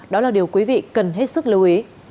đó là điều quý vị cần hết sức lưu ý